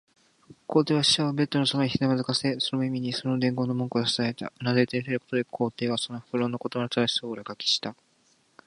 皇帝は使者をベッドのそばにひざまずかせ、その耳にその伝言の文句をささやいた。うなずいて見せることで、皇帝はその復誦の言葉の正しさを裏書きした。